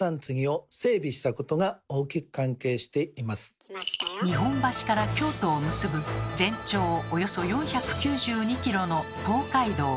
それには日本橋から京都を結ぶ全長およそ４９２ｋｍの東海道。